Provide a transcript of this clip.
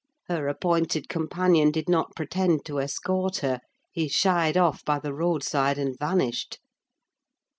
Her appointed companion did not pretend to escort her: he shied off by the road side, and vanished.